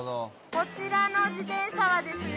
こちらの自転車はですね